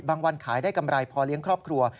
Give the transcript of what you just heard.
วันขายได้กำไรพอเลี้ยงครอบครัว